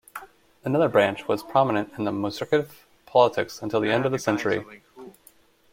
Another branch was prominent in the Muscovite politics until the end of the century.